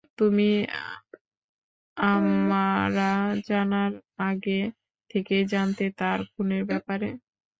তুমি আমরা জানার আগে থেকেই জানতে তার খুনের ব্যাপারে।